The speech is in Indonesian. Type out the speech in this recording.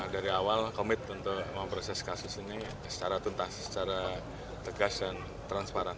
dari awal komit untuk memproses kasus ini secara tuntas secara tegas dan transparan